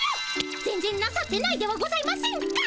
全ぜんなさってないではございませんか。